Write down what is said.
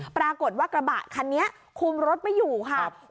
ปรากฏว่ากระบะคันนี้คุมรถไม่อยู่ค่ะ